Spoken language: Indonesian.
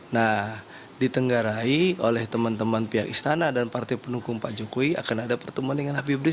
nah ditenggarai oleh teman teman pihak istana dan partai pendukung pak jokowi akan ada pertemuan dengan habib rizik